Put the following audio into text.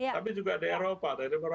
tapi juga di eropa